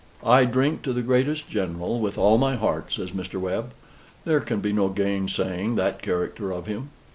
"I drink to the greatest general with all my heart," says Mr. Webb; "there can be no gainsaying that character of him.